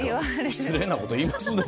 失礼なこと言いますね。